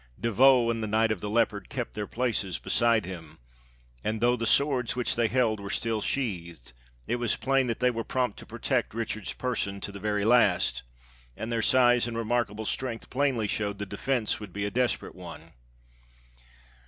De Vaux and the Knight of the Leopard kept their places beside him; and though the swords which they held were still sheathed, it was plain that they were prompt to protect Richard's person to the very last, and their size and remarkable strength plainly showed the defense would be a desperate one.